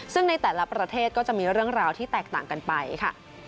ซึ่งในแต่ละประเทศก็จะมีเรื่องราวที่แตกต่างกันไปค่ะ